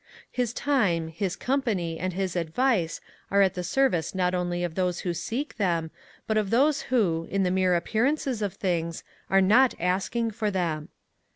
His time, his company and his advice are at the service not only of those who seek them but of those who, in the mere appearances of things, are not asking for them.